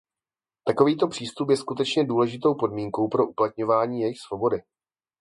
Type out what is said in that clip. Takovýto přístup je skutečně důležitou podmínkou pro uplatňování jejich svobody.